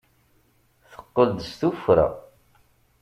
Teqqel-d s tuffra.